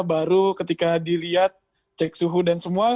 baru ketika dilihat cek suhu dan semua